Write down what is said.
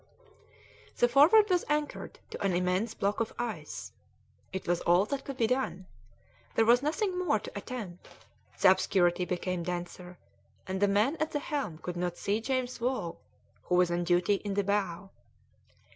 The Forward was anchored to an immense block of ice; it was all that could be done; there was nothing more to attempt; the obscurity became denser, and the man at the helm could not see James Wall, who was on duty in the bow.